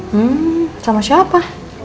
hmm sama siapa